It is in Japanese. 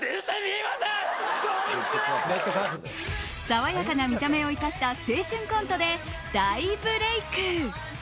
爽やかな見た目を生かした青春コントで大ブレーク。